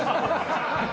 ハハハハ！